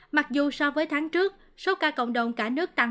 mặc dù so với tháng trước số ca cộng đồng cả nước tăng một trăm tám mươi sáu bốn